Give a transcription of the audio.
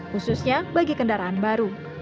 khususnya bagi kendaraan baru